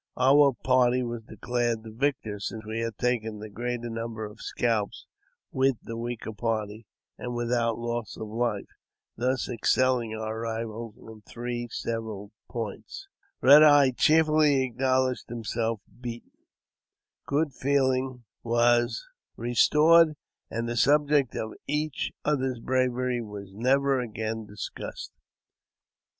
Our party was declared the victor, 164 AUTOBIOGBAPHY OF JAMES P. BECKWOUBTH. n since we had taken the greater number of scalps, with the weaker party, and without loss of life, thus excelling our rivals in three several points. Eed Eyes cheerfully acknowledged himself beaten, good feeling was restored, and the subject of each other's bravery was never after discussed.